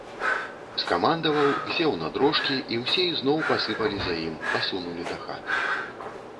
Скамандаваў, сеў на дрожкі, і ўсе ізноў пасыпалі за ім, пасунулі да хат.